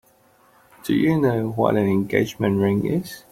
Do you know what an engagement ring is?